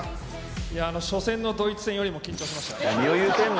いや、初戦のドイツ戦よりも緊張しました。